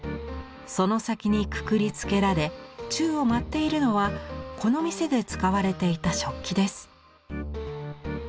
その先にくくりつけられ宙を舞っているのはこの店で使われていた食器です。